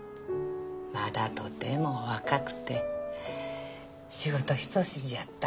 まだとても若くて仕事一筋やった秋山さん。